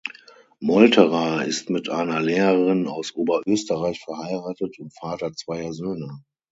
Molterer ist mit einer Lehrerin aus Oberösterreich verheiratet und Vater zweier Söhne.